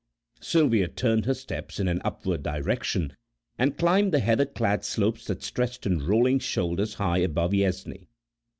Sylvia turned her steps in an upward direction and climbed the heather clad slopes that stretched in rolling shoulders high above Yessney.